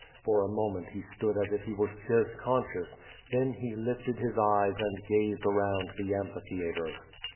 For a moment he stood as if he were scarce conscious, then he lifted his eyes and gazed around the amphitheatre.